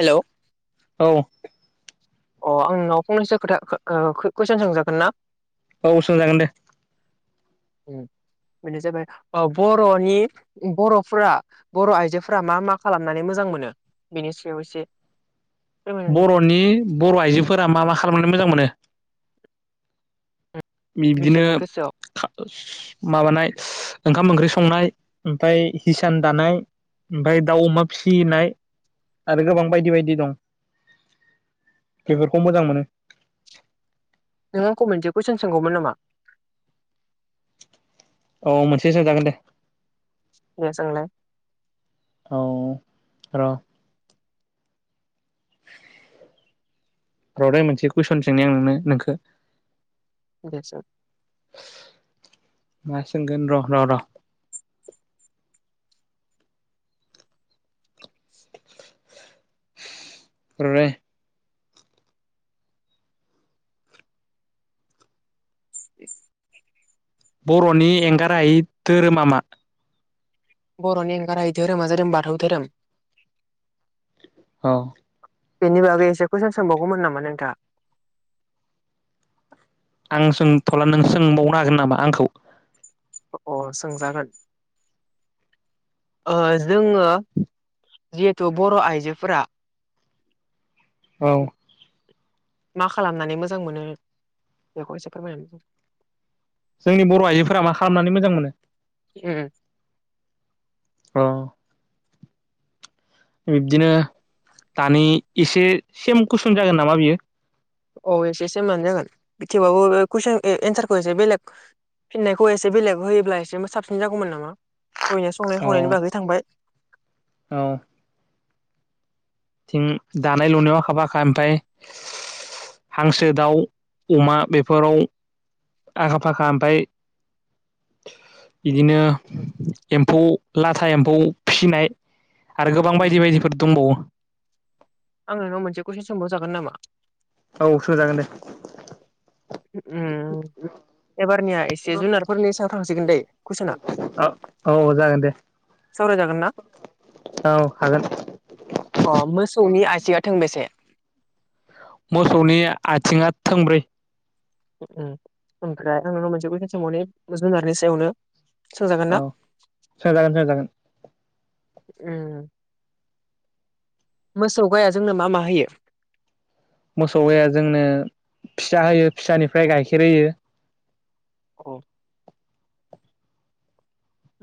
हेल'। औ। अ आं नोंनाव फंनैसो खोथा कुइसन सोंजागोन ना? औ सोंजागोन दे ओम। बेनो जाबाय बर'नि -बर'फोरा बर' आइजोफोरा मा मा खालामनानै मोजां मोजां मोनो बेनि सायाव एसे फोरमायनानै हो बर'नि बर' आइजोफोरा मा मा खालामनानै मोजां मोनो? बिबदिनो बिसोरनि गोसोआव खा माबानाय ओंखाम ओंख्रि संनाय ओमफ्राय हिसान दानाय ओमफ्राय दाउ अमा फिसिनाय आरो गोबां बायदि बायदि दं बेफोरखौ मोजां मोनो। नों आंखौ मोनसे कुइसन सोंबावगोमोन नामा? औ मोनसे सोंजागोन दे। दे सोंनाय औ र' र'दै मोनसे कुइसन सोंनि आं नोंखो दे सों मा सोंगोन र' र' र' र'दै [unintelligible] बर'नि एंगारायै धोरोमा मा बर'नि एंगार हायै धोरोमा जादों बाथौ धोरोम औ बेनि बागै एसे कुइसन सोंबावगौमोन नामा नोंथाङा आं सोंथ'ला नों सोंबावनो हागोन नामा आंखौ अ सोंजागोन जोङो जिहेथु बर' आइजोफोरा औ मा खालामनानै मोजां मोनो बेखौ एसे फोरमायनानै जोंनि बर' आइजोफोरा मा खालामनानै मोजां मोनो ओओ अ बिब्दिनो दानि एसे सेम कुइसन जागोन नामा बियो औ एसे सेमानो जागोन बि थेवब्लाबो कुइसन एन्सारखौ एसे बेलेग फिननायखौ एसे बेलेग होयोब्ला एसे साबसिन जागौमोन नामा दहायनो संनाय औ खावनायनि बागै थांबाय औ थिं दानाय लुनायाव हाबाखौ ओमफ्राय हांसो दाउ अमा बेफोराव आखा फाखा ओमफ्राय बिदिनो एम्फौ लाथा एम्फौ फिनाय आरो गोबां बायदि बायदिफोर दंबावो आं नोंनाव मोनसे कुइसन सोंबाव जागोन नामा औ सोंजागोन दे उम एबारनि मा एसे जुनारफोरनि सायाव थांसिगोन दे कुइसना औ औ जागोन दे सावराय जागोन ना औ हागोन अ मोसौनि आसिया थोंबेसे मोसौनि आथिङा थोंब्रै ओमफ्राय आंनाव मोनसे कुइनस सोंबावनि जुनारनि सायावनो सोंजागोन ना औ सोंजागोन सोंजागोन ओम मोसौ गाया जोंनो मा मा होयो मोसौया जोंनो फिसा होयो फिसानिफ्राय गाइखेर होयो औ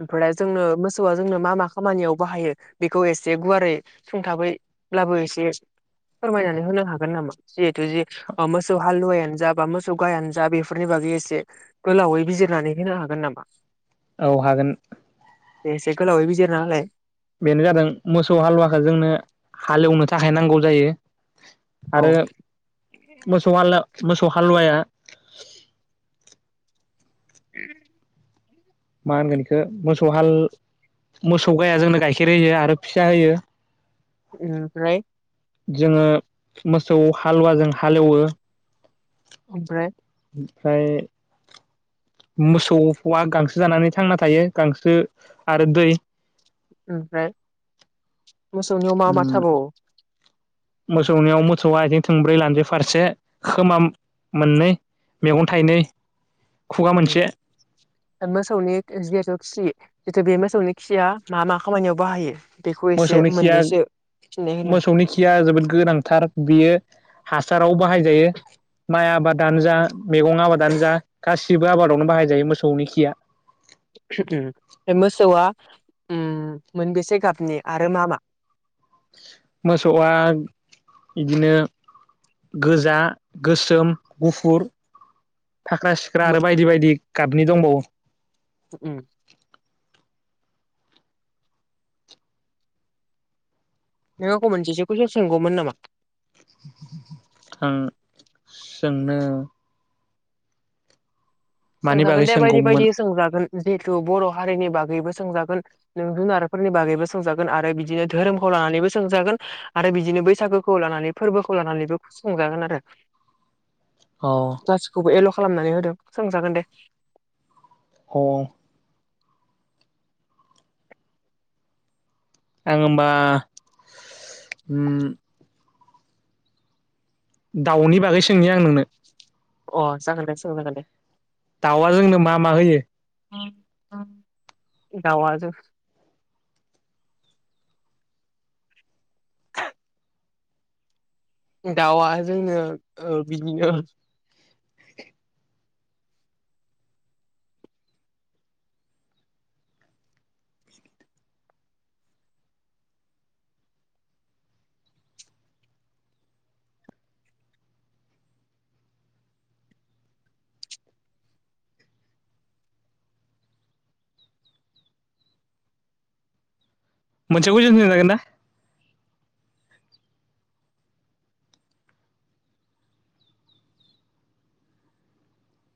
ओमफ्राय जोंनो मोसौआ जोंनो मा मा खामानियाव बाहायो बेखौ एसे गुवारै सुंथाबै लाबो इसे फोरमायनानै होनो हागोन नामा जिहेतु जे मोसौ हालुवायानो जा बा मोसौ गायानो जा बेफोरनि बागै एसे गोलावै बिजिरनानै होनो हागोन नामा औ हागोन दे एसे गोलावै बिजिरनानै होलाय बेनो जादों मोसौ हालुवाखौ जोंनो हालेवनो थाखाय नांगौ जायो औ आरो मोसौ हालु मोसौ हालुवाया [inaudible] मा होनगोन एखो मोसौ हाल मोसौ गाया जोंनो गाइखेर होयो आरो फिसा होयो ओमफ्राय जोङो मोसौ हालुवाजों हालेवो ओमफ्राय ओमफ्राय मोसौआ गांसो जानानै थांना थायो गांसो आरो दै ओमफ्राय उम मोसौनियाव मोसौआ आइथिं थोंब्रै लानजाइ फारसे खोमा मोनै मेगन थाइनै खुगा उम मोनसे मोसौनि जिहेथु खि जिहेथु बे मोसौनि खिया मा मा खामानियाव बाहायो बेखौ एसे मोसौनि खिया मोननैसो फिननाय मोसौनि खिया जोबोद गोनांथार बियो हासाराव बाहायजायो माइ आबादानो जा मैगं आबादानो जा गासिबो आबादावनो बाहायजायो मोसौनि खिया [inaudible] ओहोम म बे मोसौआ मोनबेसे गाबनि आरो मा मा [inaudible] मोसौआ बिदिनो गोजा गोसोम गुफुर फाख्रा सिख्रा मो आरो बायदि बायदि गाबनि दंबावो ओम नों आंखौ मोनसेसो कुसन सोंगौमोन नामा आं सोंनो मानि सोंजागोन बागै दे बायदि सोंगौमोन बायदि सोंजागोन जिहेतु बर' हारिनि बागैबो सोंजागोन नों जुनारफोरनि बागैबो सोंजागोन आरो बिदिनो धोरोमखौ लानानैबो सोंजागोन आरो बिदिनो बैसागुखौ लानानै फोरबोखौ लानानैबो सोंजागोन आरो अ गासिखौबो एल' खालामनानै होदों सोंजागोन दे अ आं होमबा ओम दाउनि बागै सोंनि आं नोंनो अ जागोन दे सोंजागोन‌ दे दाउआ जोंनो मा मा होयो दाउआ दाउआ जोंओ बिदिनो मोनसे कुइसन सोंजागोन ना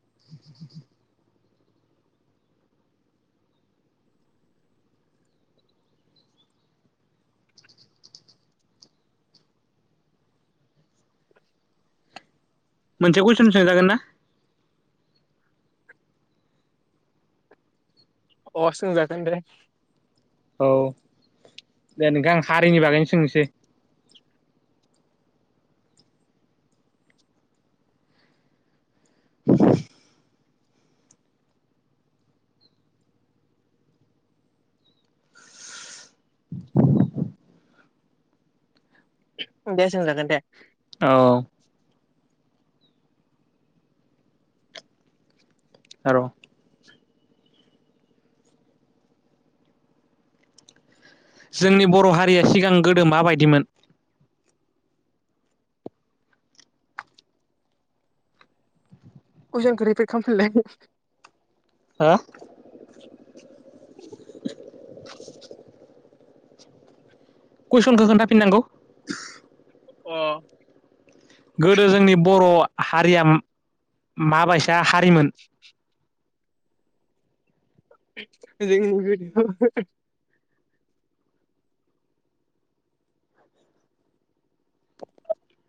[inaudible] मोनसे कुइसन सोंजागोन ना अ सोंजागोन दे औ दे नोंथां हारिनि बागैनो सोंसै [inaudible] दे सोंजागोन दे औ र जोंनि बर' हारिया सिगां गोदो माबायदिमोन कुइनस खौ रिफिद खालाम फिनलाय हो [inaudible] कुइसनखौ खोन्थाफिननांगौ अ गोदो जोंनि बर' हारिया माबायसा हारिमोन जों मग